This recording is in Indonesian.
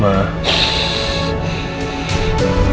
gua kenapa dia minister kita